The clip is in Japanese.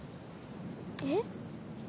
えっ？